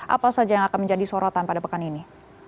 apa saja yang akan menjadi sorotan pada pekan ini